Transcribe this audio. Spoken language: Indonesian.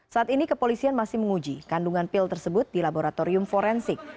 saat ini kepolisian masih menguji kandungan pil tersebut di laboratorium forensik